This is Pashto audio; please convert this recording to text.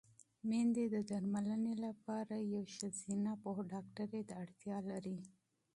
مېندې د درملنې لپاره ماهر ډاکټر ته اړتیا لري.